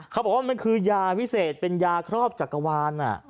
เขาบอกว่ามันคือยาวิเศษเป็นยาครอบจักรวาล